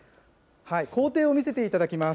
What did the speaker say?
工程を見せていただきます。